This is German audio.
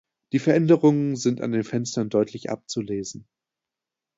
Die Veränderungen sind an den Fenstern deutlich abzulesen.